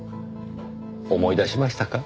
思い出しましたか？